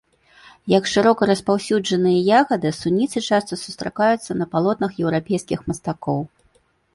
Як шырока распаўсюджаныя ягады, суніцы часта сустракаюцца на палотнах еўрапейскіх мастакоў.